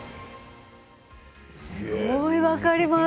すごい分かります。